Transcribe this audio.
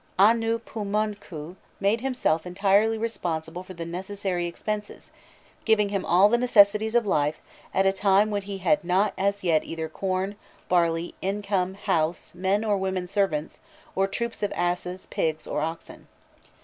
Anûpûmonkhû made himself entirely responsible for the necessary expenses, "giving him all the necessities of life, at a time when he had not as yet either corn, barley, income, house, men or women servants, or troops of asses, pigs, or oxen."